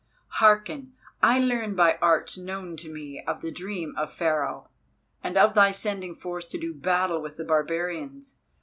Hearken! I learned by arts known to me of the dream of Pharaoh, and of thy sending forth to do battle with the barbarians.